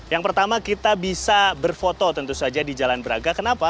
yang pertama kita bisa berfoto tentu saja di jalan braga kenapa